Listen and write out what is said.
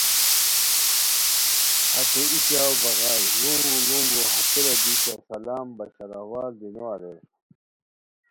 ہتے ای ژاؤ بغائے، ݱونگو ݱونگو ہتیرا بی کیہ سلام بشاروال دی نو اریر